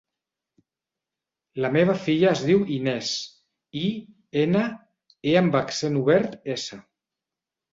La meva filla es diu Inès: i, ena, e amb accent obert, essa.